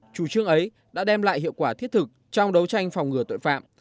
chủ trương ấy đã đem lại hiệu quả thiết thực trong đấu tranh phòng ngừa tội phạm